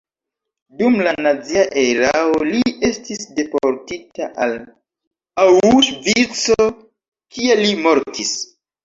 Dum la nazia erao li estis deportita al Aŭŝvico, kie li mortis.